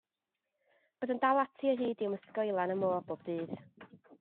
Roedd yn dal ati o hyd i ymlusgo i lan y môr bob dydd.